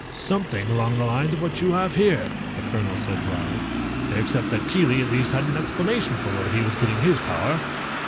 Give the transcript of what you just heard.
"Something along the lines of what you have here," the colonel said dryly, "except that Keely at least had an explanation for where he was getting his power.